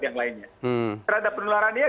yang lainnya terhadap penularannya